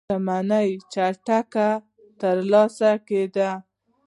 شتمنۍ چټکه ترلاسه کېده.